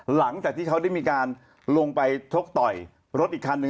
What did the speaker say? หลังจากที่เขาได้มีการลงไปชกต่อยรถอีกคันหนึ่ง